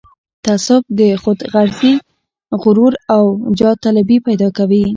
تعصب، خودغرضي، غرور او جاه طلبي پيدا کوي.